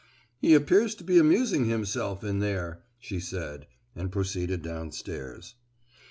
"He appears to be amusing himself in there!" she said, and proceeded downstairs.